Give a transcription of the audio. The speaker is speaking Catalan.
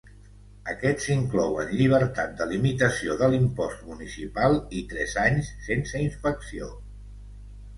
Aquests inclouen llibertat de limitació de l'impost municipal i tres anys sense inspecció.